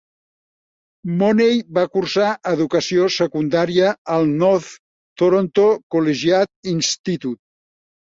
Money va cursar educació secundària al North Toronto Collegiate Institute.